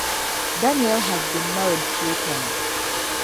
Daniel has been married three times.